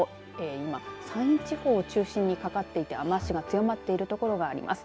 今、山陰地方を中心にかかっていて雨足が強まっている所があります。